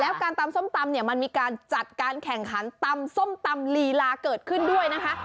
แล้วการตำส้มตำเนี่ยมันมีการจัดการแข่งขันตำส้มตำลีลาเกิดขึ้นด้วยนะคะ